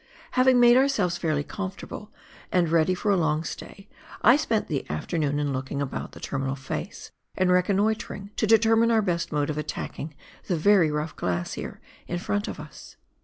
Having made ourselves fairly comfortable, and ready for a long stay, I spent the afternoon in looking about the terminal face and reconnoitring, to determine our best mode of attacking the very rough glacier in front of us.